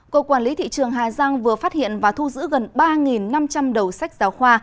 cộng quản lý thị trường hà giang vừa phát hiện và thu giữ gần ba năm trăm linh đầu sách giáo khoa